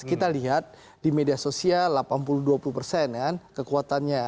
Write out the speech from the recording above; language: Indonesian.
kita lihat di media sosial delapan puluh dua puluh persen kan kekuatannya